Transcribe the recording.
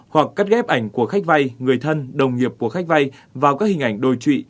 hoặc cắt ghép ảnh của khách vay người thân đồng nghiệp của khách vay vào các hình ảnh đồi trụy